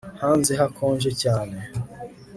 Hanze hakonje cyane